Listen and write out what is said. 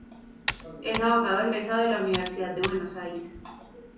Es abogado egresado de la Universidad de Buenos Aires.